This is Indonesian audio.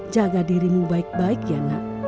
jaga dirimu baik baik ya nak